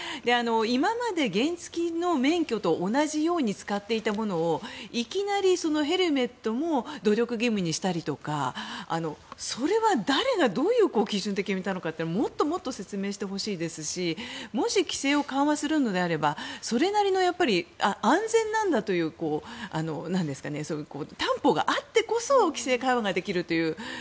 今まで原付きの免許と同じように使っていたものをいきなり、ヘルメットも努力義務にしたりとかそれは誰がどういう基準で決めたのかというのをもっともっと説明してほしいですしもし、規制を緩和するのであればそれなりの、安全なんだという担保があってこそ規制緩和ができるという。